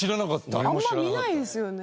あんま見ないですよね。